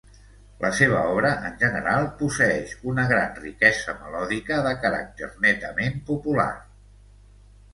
La seva obra, en general, posseeix una gran riquesa melòdica de caràcter netament popular.